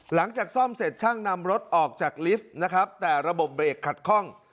หลังจากซ่อมเสร็จช่างนำรถออกจากลิฟต์นะครับแต่ระบบเบรกขัดคล่อง